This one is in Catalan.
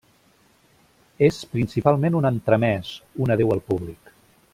És principalment un entremès, un adéu al públic.